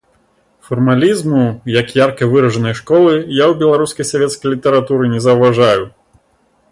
Фармалізму, як ярка выражанай школы, я ў беларускай савецкай літаратуры не заўважаю.